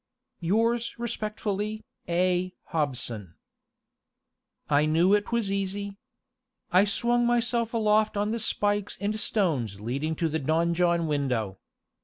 Yours respectfully, A. HOBSON. I knew it was easy. I swung myself aloft on the spikes and stones leading to the donjon window.